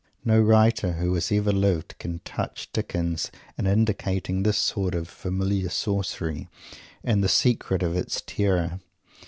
No writer who has ever lived can touch Dickens in indicating this sort of familiar sorcery and the secret of its terror.